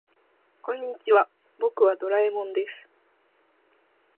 こんにちは、僕はドラえもんです。